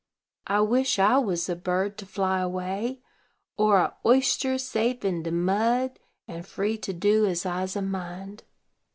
I wish I was a bird to fly away, or a oyster safe in de mud, and free to do as I's a mind."